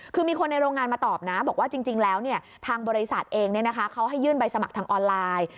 คือมีคนในโรงงานมาตอบนะบอกว่าจริงแล้วทางบริษัทเองเขาให้ยื่นใบสมัครทางออนไลน์